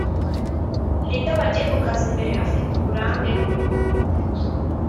ni nde wagiye ku kazi mbere afite uburambe?